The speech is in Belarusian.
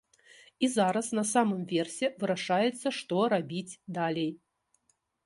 І зараз на самым версе вырашаецца, што рабіць далей.